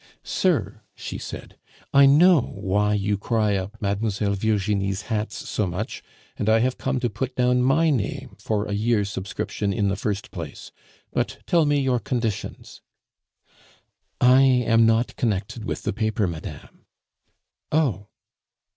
"Sir," she said, "I know why you cry up Mlle. Virginie's hats so much; and I have come to put down my name for a year's subscription in the first place; but tell me your conditions " "I am not connected with the paper, madame." "Oh!"